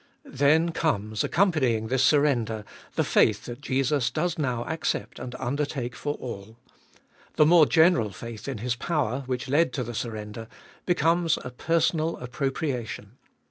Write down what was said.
Then comes, accompanying this surrender, the faith that Jesus does now accept and undertake for all. The more general faith in His power, which led to the surrender, becomes a personal appropriation.